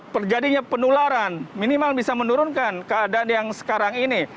perjadinya penularan minimal bisa menurunkan keadaan yang sekarang ini